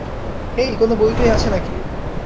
হেই, কোন বই টই আছে নাকি?